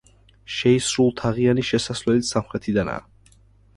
შეისრულთაღიანი შესასვლელიც სამხრეთიდანაა.